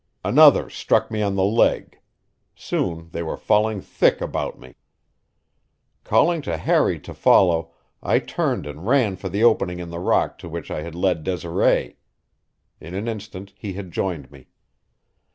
Another struck me on the leg; soon they were falling thick about me. Calling to Harry to follow, I turned and ran for the opening in the rock to which I had led Desiree. In an instant he had joined me.